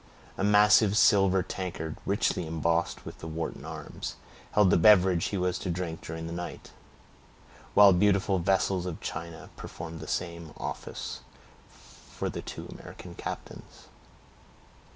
A massive silver tankard, richly embossed with the Wharton arms, held the beverage he was to drink during the night; while beautiful vessels of china performed the same office for the two American captains.